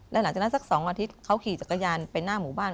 และหลังจากนั้นสัก๒อาทิตย์เขาขี่จักรยานไปหน้าหมู่บ้าน